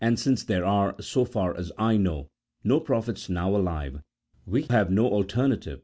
And since there are, so far as I know, no prophets now alive, we have no alternative but 1 See Note 2.